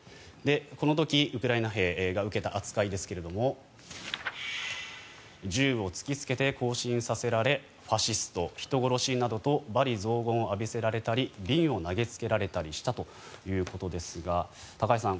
この時、ウクライナ兵が受けた扱いですが銃を突きつけて行進させられファシスト、人殺しなどと罵詈雑言を浴びせられたり瓶を投げつけられたりしたということですが高橋さん